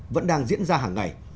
vẫn đang diễn ra hàng ngày